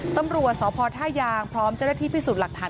ตำรวจสพท่ายางพร้อมเจ้าหน้าที่พิสูจน์หลักฐาน